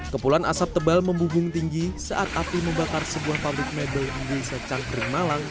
kepulan asap tebal membumbung tinggi saat api membakar sebuah pabrik mebel di desa cangkring malang